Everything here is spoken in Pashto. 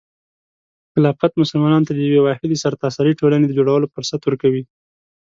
خلافت مسلمانانو ته د یوې واحدې سرتاسري ټولنې د جوړولو فرصت ورکوي.